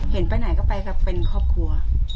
เห็นไปไหนก็ไปก็เป็นครอบครัว